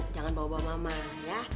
jangan bawa bawa mama ya